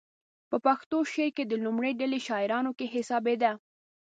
په پښتو شعر کې د لومړۍ ډلې شاعرانو کې حسابېده.